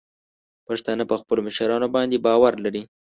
پښتانه په خپلو مشرانو باندې باور لري.